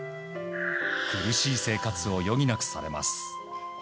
苦しい生活を余儀なくされます。